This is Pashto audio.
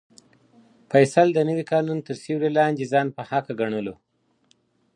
فیصل د نوي قانون تر سیوري لاندې ځان په حقه ګڼلو.